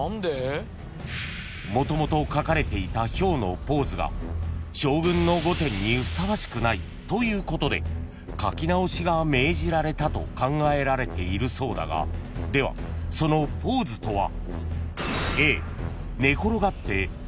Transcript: ［元々描かれていたヒョウのポーズが将軍の御殿にふさわしくないということで描き直しが命じられたと考えられているそうだがではそのポーズとは］